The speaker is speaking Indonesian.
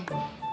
iya pak deddy